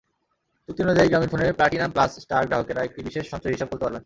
চুক্তি অনুযায়ী গ্রামীণফোনের প্লাটিনাম প্লাস স্টার গ্রাহকেরা একটি বিশেষ সঞ্চয়ী হিসাব খুলতে পারবেন।